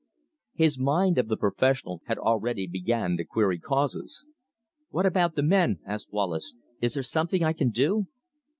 His mind of the professional had already began to query causes. "How about the men?" asked Wallace. "Isn't there something I can do?"